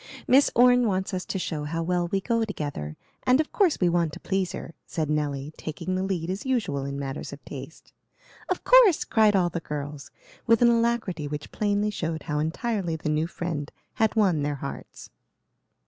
Miss Orne wants us to show how well we go together, and of course we want to please her;" said Nelly taking the lead as usual in matters of taste. "Of course!" cried all the girls, with an alacrity which plainly showed how entirely the new friend had won their hearts.